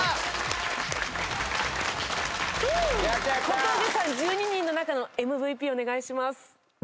小峠さん１２人の中のＭＶＰお願いします。